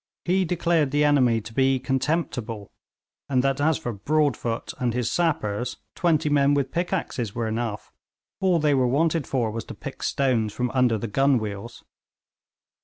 He declared the enemy to be contemptible, and that as for Broadfoot and his sappers, twenty men with pickaxes were enough; all they were wanted for was to pick stones from under the gun wheels.